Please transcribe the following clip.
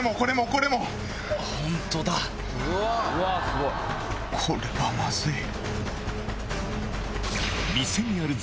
これはまずい。